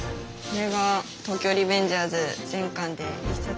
これが「東京卍リベンジャーズ」全巻で。